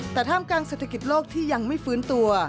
แต่ท่ามกลางเศรษฐกิจโลกที่ยังไม่ฟื้นตัว